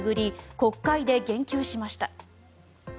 国会で言及しました。